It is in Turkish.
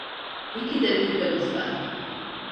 İki dakikamız var.